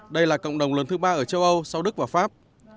đây là cộng đồng lớn thứ ba ở châu âu sau đức và pháp